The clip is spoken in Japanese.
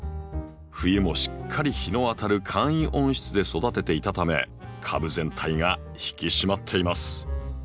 冬もしっかり日の当たる簡易温室で育てていたため株全体が引き締まっています。